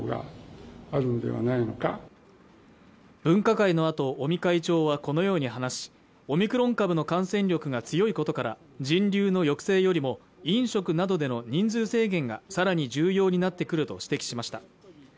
分科会のあと尾身会長はこのように話しオミクロン株の感染力が強いことから人流の抑制よりも飲食などでの人数制限がさらに重要になってくると指摘しました